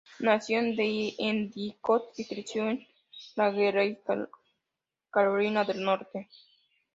Nació en Endicott y creció en Raleigh, Carolina del Norte.